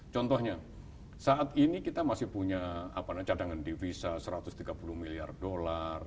contohnya saat ini kita masih punya cadangan divisa satu ratus tiga puluh miliar dolar